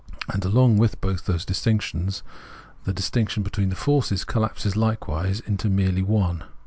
And, along with both those distinctions, the distinction between 142 Phenomenology of Mind the forces collapses likewise into merely one.